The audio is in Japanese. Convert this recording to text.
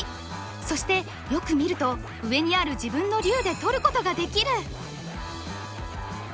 そしてよく見ると上にある自分の竜で取ることができる。